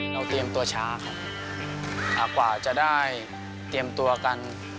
เตรียมตัวช้าครับกว่าจะได้เตรียมตัวกัน